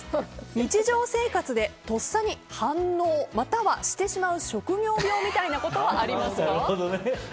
日常生活でとっさに反応または、してしまう職業病みたいなものはありますか？